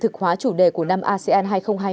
chủ đề của năm asean hai nghìn hai mươi